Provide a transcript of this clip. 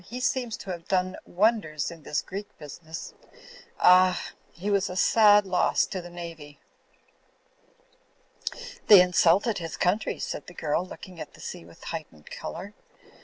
"He seems to have done wonders in this Greek business. Ah! He was a sad loss to the Navy!" "They insulted his country," said the girl, looking at the sea with a heightened colour.